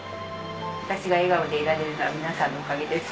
私が笑顔でいられるのは皆さんのおかげです。